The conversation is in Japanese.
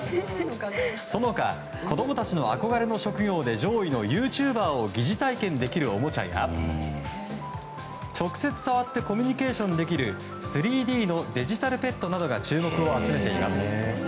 その他子供たちの憧れの職業で上位のユーチューバーを疑似体験できるおもちゃや直接触ってコミュニケーションできる３Ｄのデジタルペットなどが注目を集めています。